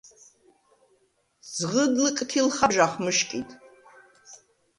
ძღჷდ ლჷკთილ ხაბჟახ მჷშკიდ.